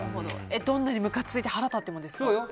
どんなにムカついても腹立ってもですか？